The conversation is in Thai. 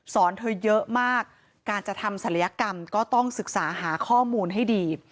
เธอเยอะมากการจะทำศัลยกรรมก็ต้องศึกษาหาข้อมูลให้ดี